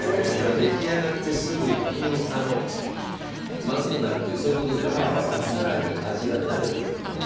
出来上がってすぐまずくなるとかそういうことではないですがさらに味が慣れてくる。